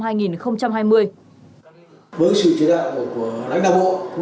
với sự chỉ đạo của lãnh đạo bộ cũng như lãnh đạo cụ